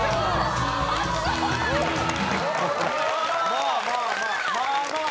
まあまあまあまあまあ。